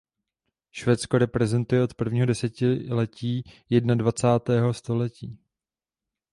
Švédsko reprezentuje od prvního desetiletí jednadvacátého století.